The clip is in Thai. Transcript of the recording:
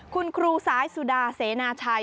คุณครูสายสุดาเสนาชัย